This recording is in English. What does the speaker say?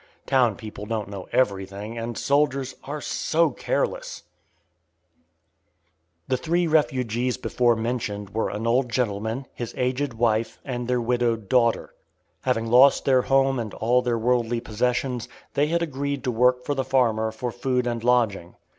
Town people don't know everything, and soldiers are so careless. The three refugees before mentioned were an old gentleman, his aged wife, and their widowed daughter. Having lost their home and all their worldly possessions, they had agreed to work for the farmer for food and lodging.